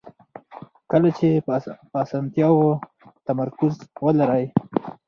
کله چې په اسانتیاوو تمرکز ولرئ.